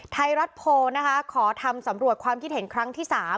ไทยรัฐโพลนะคะขอทำสำรวจความคิดเห็นครั้งที่๓